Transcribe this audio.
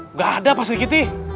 tidak ada pak sri kiti